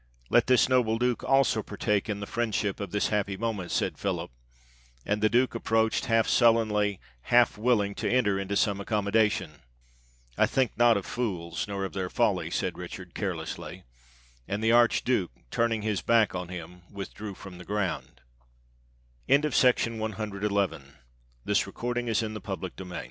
"Let this noble Duke also partake in the friendship of this happy moment," said Philip; and the Duke approached half sullenly, half willing to enter into some accommodation. "I think not of fools, nor of their folly," said Richard, carelessly; and the Archduke, turning his back on him, withdrew from the ground.